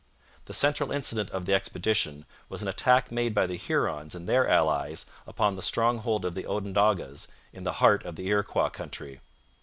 The central incident of the expedition was an attack made by the Hurons and their allies upon the stronghold of the Onondagas in the heart of the Iroquois country.